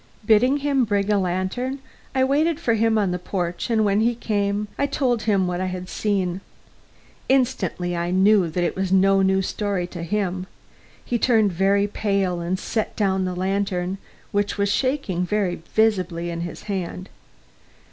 Bidding him bring a lantern, I waited for him on the porch, and when he came, I told him what I had seen. Instantly I knew that it was no new story to him. He turned very pale and set down the lantern, which was shaking very visibly in his hand.